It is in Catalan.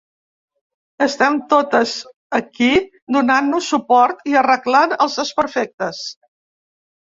Estem totes aquí donant-nos suport i arreglant els desperfectes.